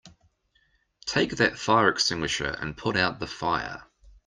Take that fire extinguisher and put out the fire!